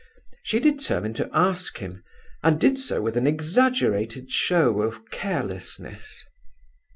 She determined to ask him, and did so with an exaggerated show of carelessness.